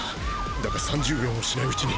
だが３０秒もしないうちに。